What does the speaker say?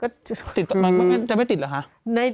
ก็ติดต่อมาจะไม่ติดหรือคะ